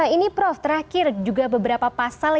ini prof terakhir juga beberapa pasal